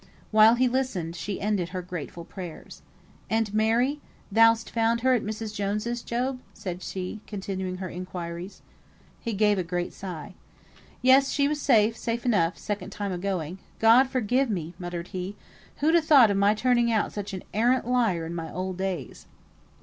While he listened, she ended her grateful prayers. "And Mary? Thou'st found her at Mrs. Jones's, Job?" said she, continuing her inquiries. He gave a great sigh. "Yes, she was there, safe enough, second time of going. God forgive me!" muttered he, "who'd ha' thought of my turning out such an arrant liar in my old days?"